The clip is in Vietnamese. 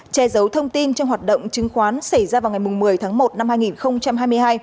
che giấu thông tin trong hoạt động chứng khoán xảy ra vào ngày một mươi tháng một năm hai nghìn hai mươi hai